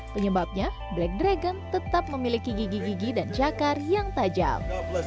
penyebabnya black dragon tetap memiliki gigi gigi dan cakar yang tajam